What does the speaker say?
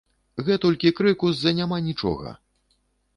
Гэтулькі крыку з-за няма нічога.